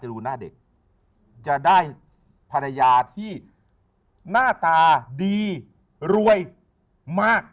ดูหน้าเด็กจะได้ภรรยาที่หน้าตาดีรวยมาก